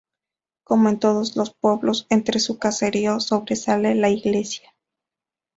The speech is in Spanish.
Como en todos los pueblos entre su caserío sobresale la iglesia.